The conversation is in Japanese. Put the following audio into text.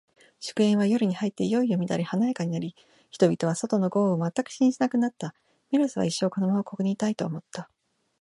祝宴は、夜に入っていよいよ乱れ華やかになり、人々は、外の豪雨を全く気にしなくなった。メロスは、一生このままここにいたい、と思った。